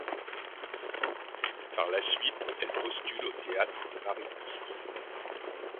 Par la suite, elle postule au Théâtre Mariinsky.